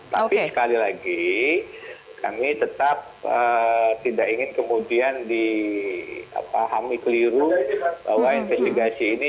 tapi sekali lagi kami tetap tidak ingin kemudian dipahami keliru bahwa investigasi ini